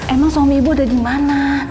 emang suami ibu ada dimana